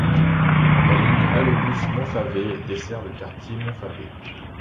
La ligne AlloBus Montfavet, dessert le quartier Montfavet.